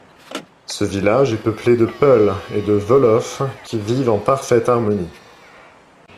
Ce village est peuplé de peuls et de wolofs qui vivent en parfaite harmonie.